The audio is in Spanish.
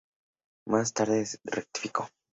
Más tarde rectificó.